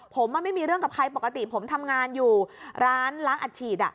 ผมไม่มีเรื่องกับใครปกติผมทำงานอยู่ร้านล้างอัดฉีด